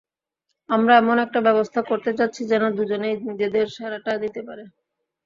আমরা এমন একটা ব্যবস্থা করতে যাচ্ছি যেন দুজনেই নিজেদের সেরাটা দিতে পারে।